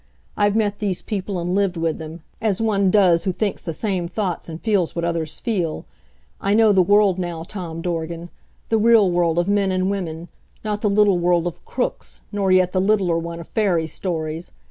I've met these people and lived with them as one does who thinks the same thoughts and feels what others feel. I know the world now, Tom Dorgan, the real world of men and women not the little world of crooks, nor yet the littler one of fairy stories.